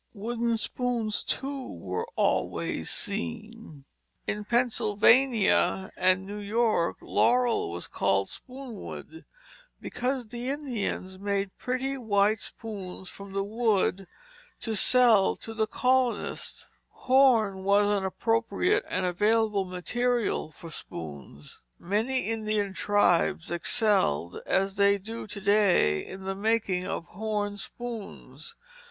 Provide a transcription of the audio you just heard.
Wooden spoons, too, were always seen. In Pennsylvania and New York laurel was called spoonwood, because the Indians made pretty white spoons from that wood to sell to the colonists. Horn was an appropriate and available material for spoons. Many Indian tribes excelled as they do to day in the making of horn spoons.